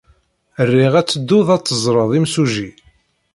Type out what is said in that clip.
Riɣ ad teddud ad teẓred imsujji.